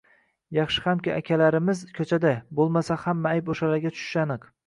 Yaxshi hamki akalarimiz ko‘chada, bo‘lmasa, hamma ayb o‘shalarga tushishi aniq.